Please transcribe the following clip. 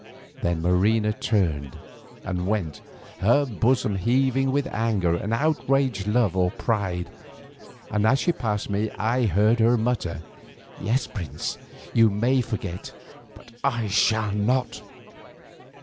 Then Marina turned and went, her bosom heaving with anger and outraged love or pride, and as she passed me I heard her mutter, "Yes, prince, you may forget, but I shall not."